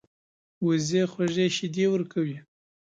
وزې خوږې شیدې ورکوي